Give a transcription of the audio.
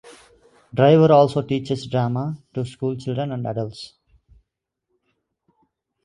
Diver also teaches drama to school children and adults.